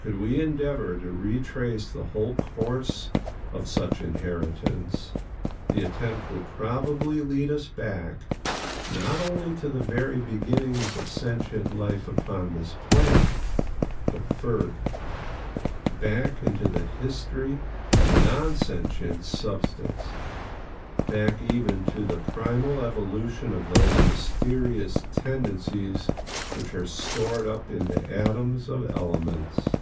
Could we endeavor to retrace the whole course of such inheritance, the attempt would probably lead us back, not only to the very beginnings of sentient life upon this planet, but further,—back into the history of non sentient substance,—back even to the primal evolution of those mysterious tendencies which are stored up in the atoms of elements.